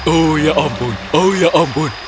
oh ya ampun oh ya ampun